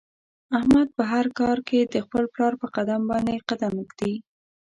احمد په هر کار کې د خپل پلار په قدم باندې قدم ږدي.